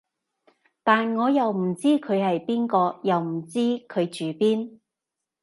但我又唔知佢係邊個，又唔知佢住邊